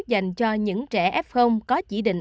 dành cho những trẻ f có chỉ định